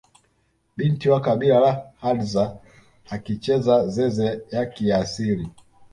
Binti wa kabila la hadza akicheza zeze ya kiasili